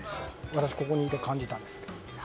私、ここにいて感じたんです。